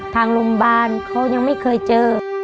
ทางโรงพยาบาลเขายังไม่เคยเจอ